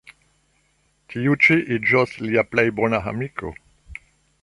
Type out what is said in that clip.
Tiu ĉi iĝos lia plej bona amiko.